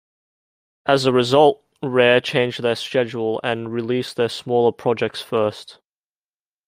As a result, Rare changed their schedule and released their smaller projects first.